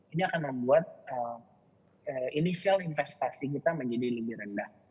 ini akan membuat inisial investasi kita menjadi lebih rendah